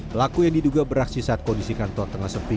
pelaku yang diduga beraksi saat kondisi kantor tengah sempit